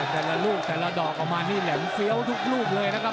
แต่ละลูกแต่ละดอกออกมานี่แหลมเฟี้ยวทุกลูกเลยนะครับ